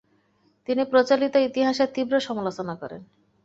তিনি প্রচলিত ইতিহাসের তীব্র সমালােচনা করেন।